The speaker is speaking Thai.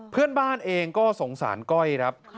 เพื่อนบ้านเองก็สงสารก้อยครับ